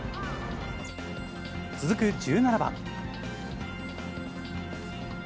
続く１７番。